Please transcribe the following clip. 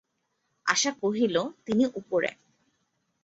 আশা কহিল, তিনি উপরে।